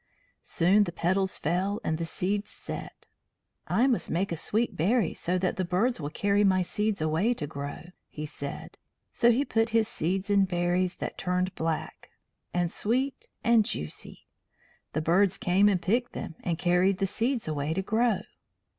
Soon the petals fell and the seeds set. "I must make a sweet berry, so that the birds will carry my seeds away to grow," he said. So he set his seeds in berries that turned black and sweet and juicy. The birds came and picked them, and carried the seeds away to grow.